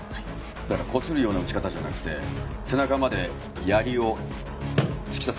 だからこするような打ち方じゃなくて背中までやりを突き刺すイメージ。